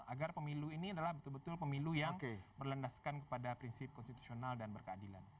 agar pemilu ini adalah betul betul pemilu yang berlendaskan kepada prinsip konstitusional dan berkeadilan